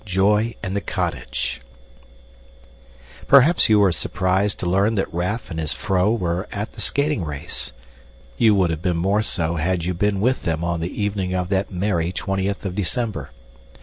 Joy in the Cottage Perhaps you were surprised to learn that Raff and his vrouw were at the skating race. You would have been more so had you been with them on the evening of that merry twentieth of December.